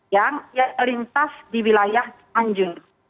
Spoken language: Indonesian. yang lintas di wilayah anjur